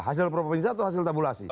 hasil per provinsi atau hasil tabulasi